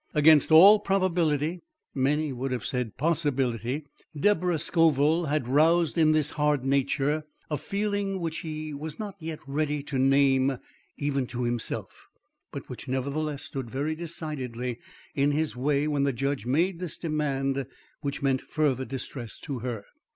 Against all probability, many would have said possibility, Deborah Scoville had roused in this hard nature, a feeling which he was not yet ready to name even to himself, but which nevertheless stood very decidedly in his way when the judge made this demand which meant further distress to her.